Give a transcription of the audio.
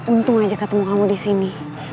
untung aja ketemu kamu disini